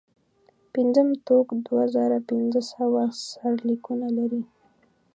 پنځم ټوک دوه زره پنځه سوه سرلیکونه لري.